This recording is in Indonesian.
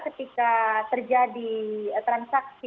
ketika terjadi transaksi